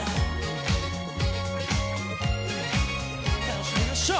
楽しみましょう！